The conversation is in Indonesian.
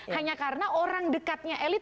hanya karena orang dekatnya elit